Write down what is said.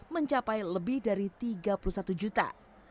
mencapai lebih dari tiga puluh satu juta